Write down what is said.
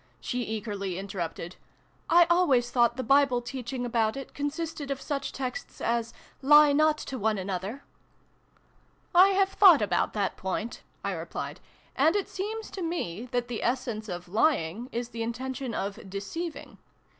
she eagerly interrupted. " I always thought the Bible teaching about it consisted of such texts as ' lie not one to another '?" ll] LOVE'S CURFEW. 27 " I have thought about that point," I re plied ;" and it seems to me that the essence of lying\s the intention of deceiving.